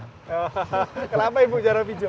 hahaha kenapa ibu jarang pinjam